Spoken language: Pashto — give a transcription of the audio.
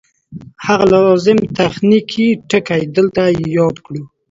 هغه لازم تخنیکي ټکي دلته یاد کړو